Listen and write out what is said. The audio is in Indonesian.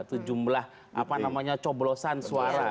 atau jumlah apa namanya coblosan suara